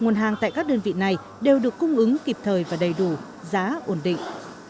nguồn hàng tại các đơn vị này đều được cung ứng kịp thời và đầy đủ giá ổn định